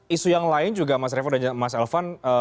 isu yang lain juga mas revo dan mas elvan